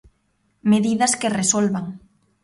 Medidas que resolvan.